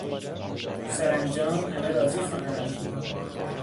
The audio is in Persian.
سرانجام همه راضی خواهند بود.